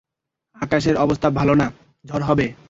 আকাশের অবস্থা ভালো না, ঝড় হবে।